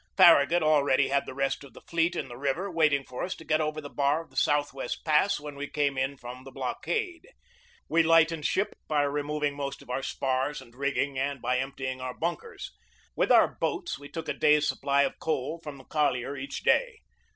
Far ragut already had the rest of the fleet in the river waiting for us to get over the bar of the Southwest Pass when we came in from the blockade. We light ened ship by removing most of our spars and rigging 54 GEORGE DEWEY and by emptying our bunkers. With our boats we took a day's supply of coal from the collier each day.